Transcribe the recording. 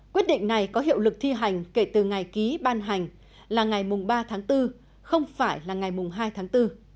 quyết định này có hiệu lực thi hành kể từ ngày ký ban hành là ngày ba tháng bốn không phải là ngày hai tháng bốn